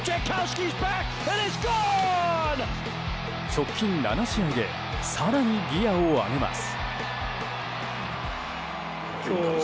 直近７試合で更にギアを上げます。